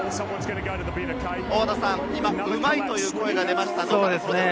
今、うまい！という声が出ましたが。